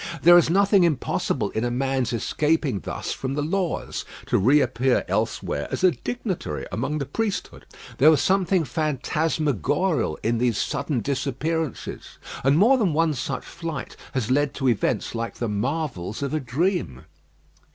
There is nothing impossible in a man's escaping thus from the laws, to reappear elsewhere as a dignitary among the priesthood. There was something phantasmagorial in these sudden disappearances; and more than one such flight has led to events like the marvels of a dream.